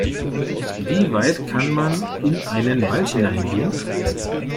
Wie weit kann man in einen Wald hineingehen?